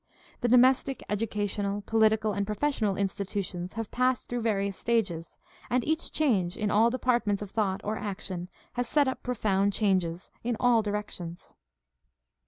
The domestic, educational, political, and professional institutions have passed through various stages, and each change in all de partments of thought or action has set up profound changes in all directions.